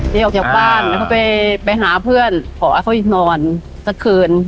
ออกจากบ้านแล้วเขาไปหาเพื่อนขอให้เขานอนสักคืน